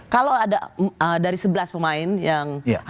kalau ada dari sebelas pemain yang